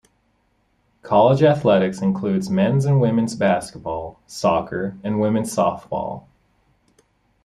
College athletics includes Men's and Women's basketball, soccer and women's softball.